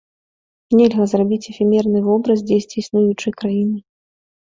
Нельга зрабіць эфемерны вобраз дзесьці існуючай краіны.